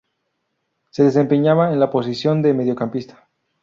Se desempeñaba en la posición de mediocampista.